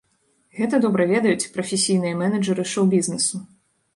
Гэта добра ведаюць прафесійныя менеджэры шоу-бізнесу.